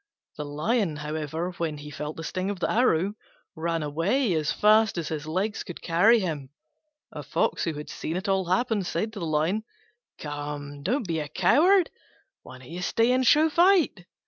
The Lion, however, when he felt the sting of the arrow, ran away as fast as his legs could carry him. A fox, who had seen it all happen, said to the Lion, "Come, don't be a coward: why don't you stay and show fight?"